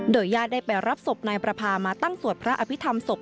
ญาติได้ไปรับศพนายประพามาตั้งสวดพระอภิษฐรรมศพ